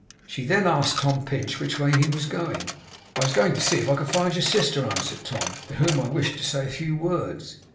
She then asked Tom Pinch which way he was going. 'I was going to see if I could find your sister,' answered Tom, 'to whom I wished to say a few words.